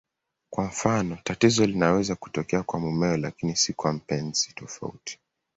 Kwa mfano, tatizo linaweza kutokea kwa mumewe lakini si kwa mpenzi tofauti.